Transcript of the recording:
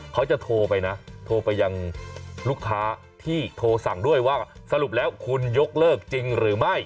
เขาจะโทรไปนะโทรไปยังลูกค้าที่โทรสั่งด้วยว่าสรุปแล้วคุณยกเลิกจริงหรือไม่